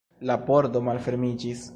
La pordo malfermiĝis.